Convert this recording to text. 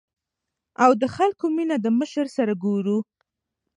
او د خلکو مينه د مشر سره ګورو ـ